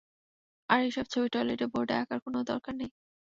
আর এসব ছবি টয়লেটে, বোর্ডে আঁকার কোনো দরকার নেই।